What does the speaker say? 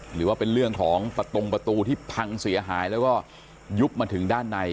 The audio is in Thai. หรือว่าเป็นเรื่องของประตงประตูที่พังเสียหายแล้วก็ยุบมาถึงด้านใน